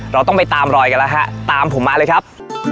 เราต้องไปตามรอยกันแล้วฮะตามผมมาเลยครับ